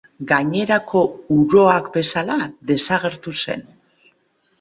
Gainerako uroak bezala, desagertu zen.